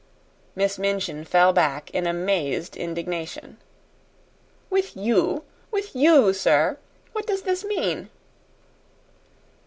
Miss Minchin fell back in amazed indignation. "With YOU! With YOU sir! What does this mean?"